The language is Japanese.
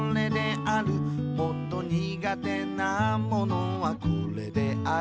「もっと苦手なものはこれである」